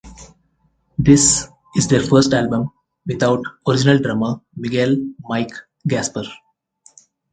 This is their first album without original drummer Miguel "Mike" Gaspar.